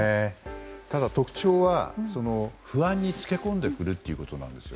ただ、特徴は不安に付け込んでくるってことなんですよ。